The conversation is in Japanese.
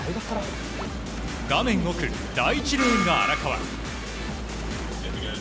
画面奥、第１レーンが荒川。